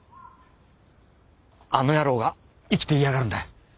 あの野郎が生きていやがるんだ。